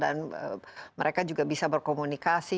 dan mereka juga bisa berkomunikasi